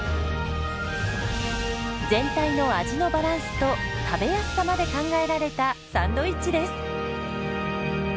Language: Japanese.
全体の味のバランスと食べやすさまで考えられたサンドイッチです。